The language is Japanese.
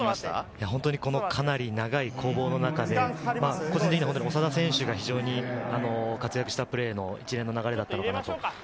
かなり長い攻防の中で個人的には長田選手が非常に活躍したプレーの一連の流れだったと思います。